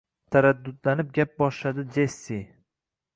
taraddudlanib gap boshladi Jessi